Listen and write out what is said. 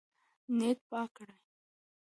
نیت پاک کړئ.